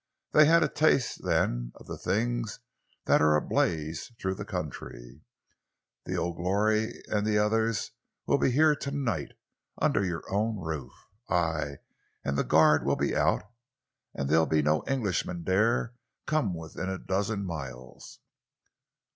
"They had a taste then of the things that are ablaze through the country. The O'Clory and the others will be here to night, under your own roof. Aye, and the guard will be out, and there'll be no Englishman dare come within a dozen miles!"